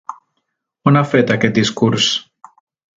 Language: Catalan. On ha fet aquest discurs?